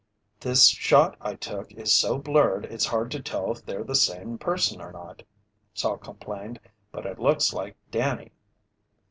"This shot I took is so blurred, it's hard to tell if they're the same person or not," Salt complained. "But it looks like Danny."